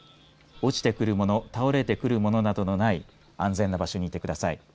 落ちてくるもの倒れてくるものなどのない安全な場所にいてください。